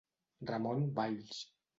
Ramon Valls.